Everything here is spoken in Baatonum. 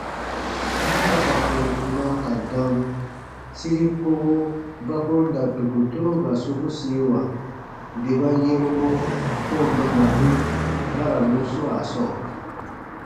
Ma ba ka tɔnu kpuna ka dam, siri kowo ba ko n da dokotoroba sokusiewa bè ba yɛ̃ru mɔ kɔ̃ɔ mɛnnabun baranu swaa sɔɔ.